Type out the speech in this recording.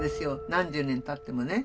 何十年たってもね。